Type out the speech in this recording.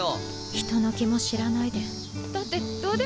人の気も知らないでだってどうでもいいし。